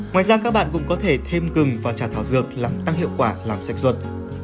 ngoài ra các bạn cũng có thể thêm gừng và trà thảo dược làm tăng hiệu quả làm sạch ruột